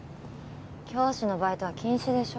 教師のバイトは禁止でしょ？